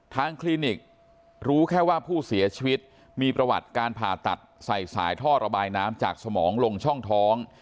คลินิกรู้แค่ว่าผู้เสียชีวิตมีประวัติการผ่าตัดใส่สายท่อระบายน้ำจากสมองลงช่องท้อง